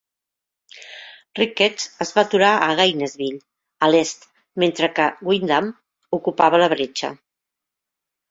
Ricketts es va aturar a Gainesville, a l'est, mentre que Wyndham ocupava la bretxa.